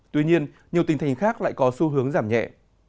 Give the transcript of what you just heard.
tuy nhiên nhiều tình hình khác lại có xu hướng giảm nhẹ